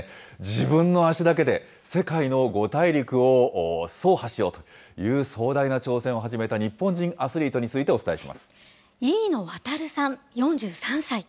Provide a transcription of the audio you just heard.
自分の足だけで、世界の５大陸を走破しようという壮大な挑戦を始めた日本人アスリ飯野航さん４３歳。